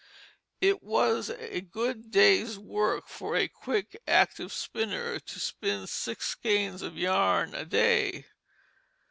It was a good day's work for a quick, active spinner to spin six skeins of yarn a day.